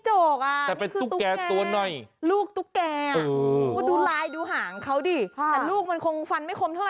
ก็เป็นเขาทั้งนั้นแหละ